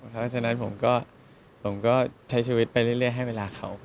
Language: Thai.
เพราะฉะนั้นผมก็ใช้ชีวิตไปเรื่อยให้เวลาเขา